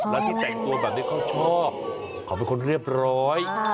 แล้วที่แต่งตัวแบบนี้ข้อเชื่อขอบความเข้าไปคนเรียบร้อย